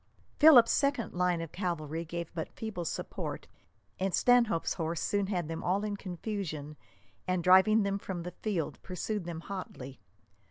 Philip's second line of cavalry gave but feeble support, and Stanhope's horse soon had them all in confusion, and, driving them from the field, pursued them hotly.